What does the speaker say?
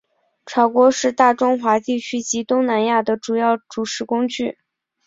炒锅是大中华地区及东南亚的主要煮食工具。